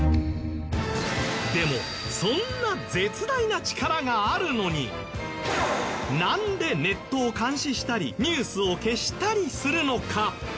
でもそんな絶大な力があるのになんでネットを監視したりニュースを消したりするのか？